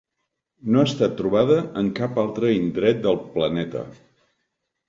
No ha estat trobada en cap altre indret del planeta.